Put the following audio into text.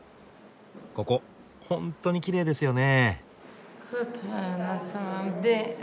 ここほんとにきれいですよね。